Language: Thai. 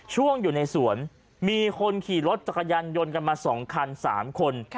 ช่วงอยู่ในสวนมีคนขี่รถจักรยานยนต์กันมา๒คัน๓คน